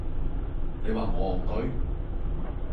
你話我戇居？